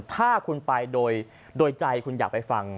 ถ้าคุณไปโดยใจคุณอยากไปฟัง